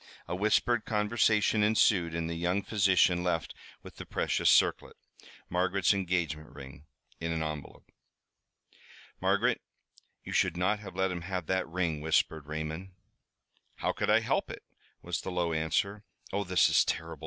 A whispered conversation ensued, and the young physician left with the precious circlet Margaret's engagement ring in an envelope. "Margaret, you should not have let him have that ring," whispered Raymond. "How could I help it?" was the low answer. "Oh, this is terrible!